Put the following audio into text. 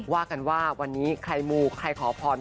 ว่ากันว่าวันนี้ใครมูใครขอพร